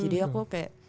jadi aku kayak